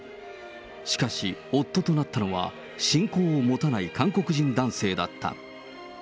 しかし、夫となったのは信仰を持たない韓国人男性だった。